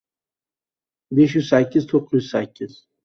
Ikki nafar Hukumat a’zosining nomzodi ko‘rib chiqildi